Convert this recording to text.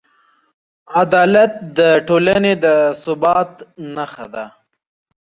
عدالت د ټولنې د ثبات نښه ده.